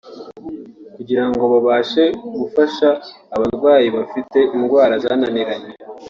kugirango babashe gufasha abarwayi bafite indwara zananiranye